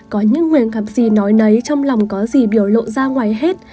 có những nguyện cảm gì nói nấy trong lòng có gì biểu lộ ra ngoài hết